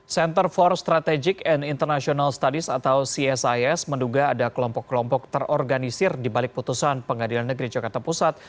center for strategic and international studies atau csis menduga ada kelompok kelompok terorganisir di balik putusan pengadilan negeri jakarta pusat